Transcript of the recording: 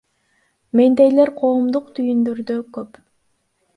Мендейлер коомдук түйүндөрдө көп.